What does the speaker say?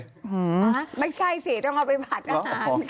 ไม่ใช่สิต้องเอาไปผัดอาหาร